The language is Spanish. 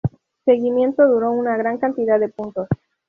Seguimiento duro una gran cantidad de puntos.